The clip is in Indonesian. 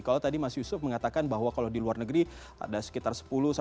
kalau tadi mas yusuf mengatakan bahwa kalau di luar negeri ada sekitar sepuluh